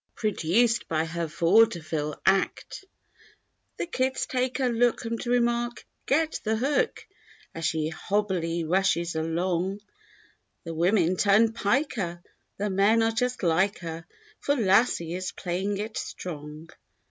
Produced by her vaudeville act. The kids take a look. And remark, "Get the hook," As she hobily rushes along. The women turn "piker" (The men are just like her)— For "lassie" is playing it strong.